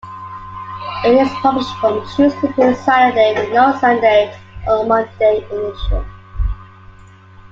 It is published from Tuesday to Saturday with no Sunday or Monday edition.